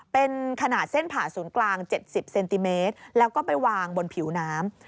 เป็นขนาดเส้นผ่าศูนย์กลาง๗๐เซนติเมตรแล้วก็ไปวางบนผิวน้ำ